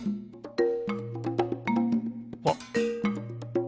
あっ！